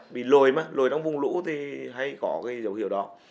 bị lồi đóng vùng lũ thì hay có dấu hiệu đó